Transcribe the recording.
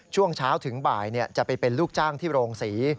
ช่วงเช้าถึงบ่ายจะไปเป็นลูกจ้างที่โรงศรี